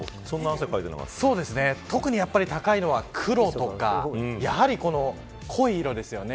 特に高いのは黒とかやはり濃い色ですよね。